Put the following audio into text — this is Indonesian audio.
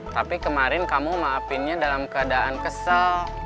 tapi kemarin kamu maafinnya dalam keadaan kesel